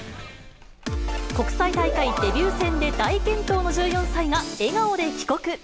国際大会デビュー戦で大健闘の１４歳が笑顔で帰国。